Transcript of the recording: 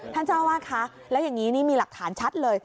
ท่านเจ้าอาวาสคะแล้วอย่างนี้นี่มีหลักฐานชัดเลย